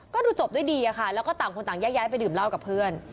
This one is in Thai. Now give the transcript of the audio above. ก็ดูจบด้วยดีอะค่ะแล้วก็ต่างคนต่างแยกย้ายไปดื่มเหล้ากับเพื่อน